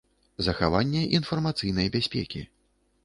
Захаванне iнфармацыйнай бяспекi.